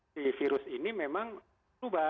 si virus ini memang berubah